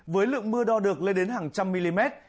với lượng mưa đo được lên đến hàng trăm mm